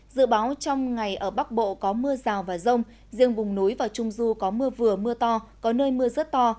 dự báo trong ngày ở bắc bộ có mưa rào và rông riêng vùng núi và trung du có mưa vừa mưa to có nơi mưa rất to